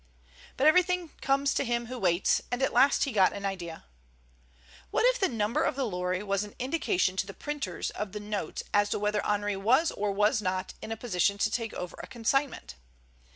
But everything comes to him who waits, and at last he got an idea. What if the number of the lorry was an indication to the printers of the notes as to whether Henri was or was not in a position to take over a consignment?